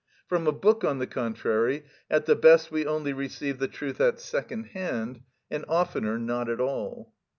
From a book, on the contrary, at the best we only receive the truth at second hand, and oftener not at all.